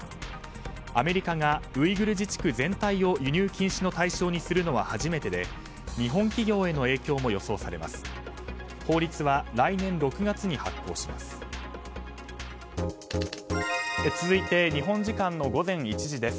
アメリカがウイグル自治区全体を輸入禁止の対象にするのは初めてで日本企業への影響も予想されます。